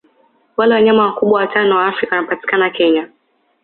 Wale wanyama wakubwa watano wa Afrika wanapatikana Kenya